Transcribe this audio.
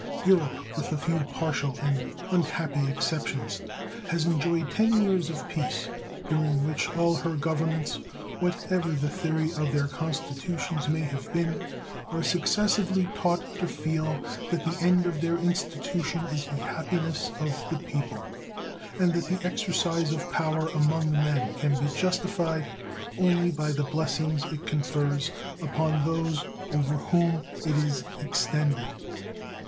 Europe, with a few partial and unhappy exceptions, has enjoyed ten years of peace, during which all her Governments, what ever the theory of their constitutions may have been, are successively taught to feel that the end of their institution is the happiness of the people, and that the exercise of power among men can be justified only by the blessings it confers upon those over whom it is extended.